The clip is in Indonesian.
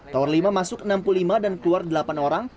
tower lima masuk enam puluh lima dan keluar delapan orang